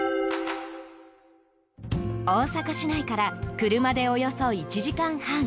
大阪市内から車でおよそ１時間半。